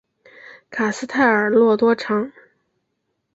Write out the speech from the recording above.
卡斯泰尔诺多藏。